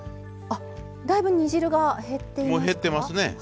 あっだいぶ煮汁が減っていますか？